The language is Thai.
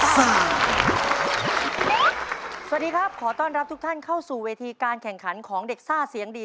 สวัสดีครับขอต้อนรับทุกท่านเข้าสู่เวทีการแข่งขันของเด็กซ่าเสียงดี